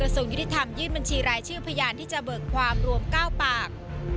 ส่วนยุติธรรมยื่นบัญชีรายชื่อพยานที่จะเบิกความรวม๙ปาก